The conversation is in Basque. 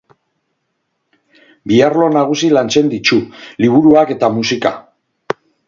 Bi arlo nagusi lantzen ditu: liburuak eta musika.